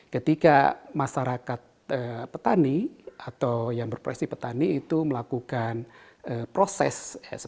ketika masyarakat petani atau yang berprofesi petani itu melakukan proses